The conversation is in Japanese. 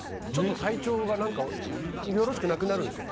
体調がよろしくなくなるんですよ。